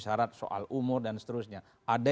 syarat soal umur dan seterusnya ada